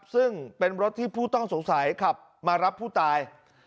ซึ่งเป็นรถที่ผู้ต้องสงสัยขับมารับผู้ตาย